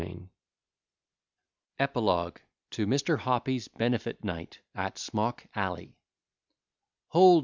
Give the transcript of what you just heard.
B._] EPILOGUE TO MR. HOPPY'S BENEFIT NIGHT, AT SMOCK ALLEY HOLD!